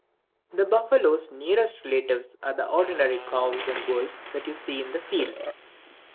The buffalo's nearest relatives are the ordinary cows and bulls that you see in the fields.